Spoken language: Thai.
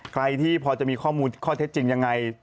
ใครที่พอจะมีข้อมูลข้อเท็จจริงยังไง